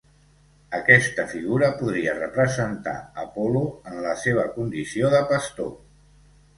Aquesta figura podria representar Apol·lo en la seva condició de pastor.